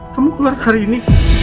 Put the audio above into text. kamu keluar hari ini